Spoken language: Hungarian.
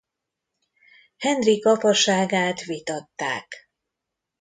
Henrik apaságát vitatták.